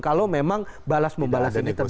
kalau memang balas membalas ini terjadi